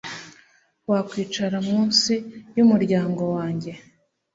Wakwicara munsi yumuryango wanjye